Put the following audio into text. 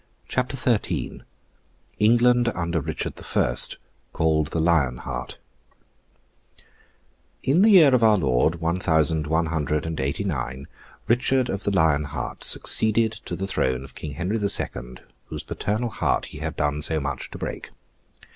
CHAPTER XIII ENGLAND UNDER RICHARD THE FIRST, CALLED THE LION HEART In the year of our Lord one thousand one hundred and eighty nine, Richard of the Lion Heart succeeded to the throne of King Henry the Second, whose paternal heart he had done so much to break.